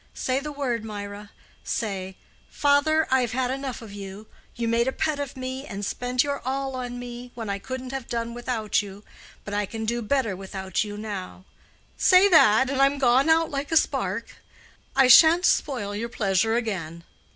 Say the word, Mirah; say, 'Father, I've had enough of you; you made a pet of me, and spent your all on me, when I couldn't have done without you; but I can do better without you now,'—say that, and I'm gone out like a spark. I shan't spoil your pleasure again."